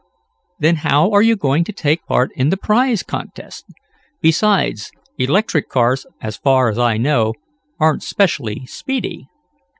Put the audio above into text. "Then how are you going to take part in the prize contest? Besides, electric cars, as far as I know, aren't specially speedy."